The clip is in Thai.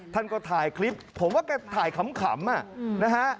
ท่านก็ถ่ายคลิปผมว่าแกถ่ายขำนะฮะ